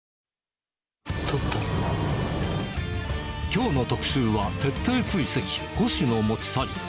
きょうの特集は、徹底追跡、古紙の持ち去り。